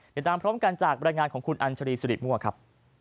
เดี๋ยวตามพร้อมกันจากบรรยายงานของคุณอัลชาลีสลิม่วะครับ